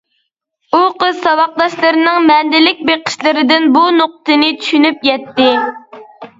ئۇ قىز ساۋاقداشلىرىنىڭ مەنىلىك بېقىشلىرىدىن بۇ نۇقتىنى چۈشىنىپ يەتتى.